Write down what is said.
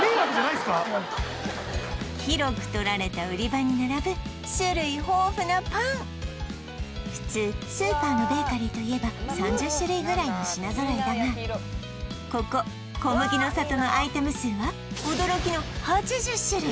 広く取られた売場に並ぶ種類豊富なパン普通スーパーのベーカリーといえば３０種類ぐらいの品揃えだがここ小麦の郷のアイテム数は驚きの８０種類！